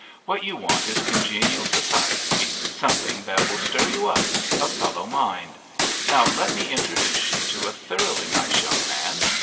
What you want is congenial society, something that will stir you up — a fellow mind. Now let me introduce you to a thoroughly nice young man.